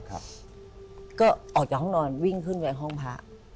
ก็ออกจากห้องนอนวิ่งขึ้นไปห้องพระ